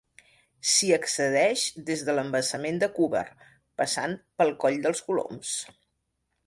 S'hi accedeix des de l'embassament de Cúber, passant pel Coll dels Coloms.